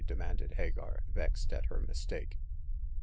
" demanded Hagar, vexed at her mistake.